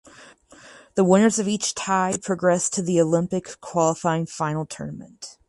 The winners of each tie progressed to the Olympic qualifying final tournament.